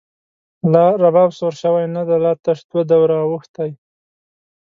لا رباب سور شوی نه دی، لا تش دوه دوره او ښتی